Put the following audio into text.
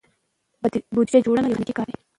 بودیجه جوړونه یو تخنیکي کار دی.